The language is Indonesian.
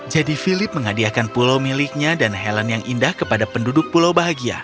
philip menghadiahkan pulau miliknya dan helen yang indah kepada penduduk pulau bahagia